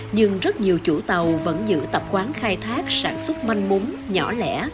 nhưng rất nhiều chủ tàu vẫn giữ tập quán khai thác sản xuất manh mún nhỏ lẻ